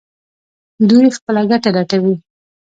دوی خپله ګټه لټوي.